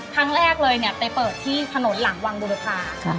ทั้งแรกเลยเนี่ยไปเปิดที่ผนหลังวังบุรุษภาค